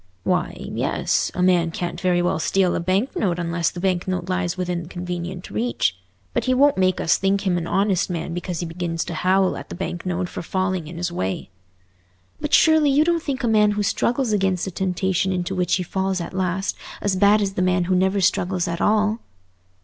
"Why, yes, a man can't very well steal a bank note unless the bank note lies within convenient reach; but he won't make us think him an honest man because he begins to howl at the bank note for falling in his way." "But surely you don't think a man who struggles against a temptation into which he falls at last as bad as the man who never struggles at all?"